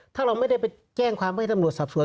ถ้าเราไม่ได้ไปแจ้งความว่าว่ารับนับหน่วงสอบสวน